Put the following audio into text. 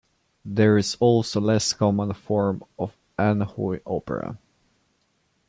There is also a less common form of Anhui opera.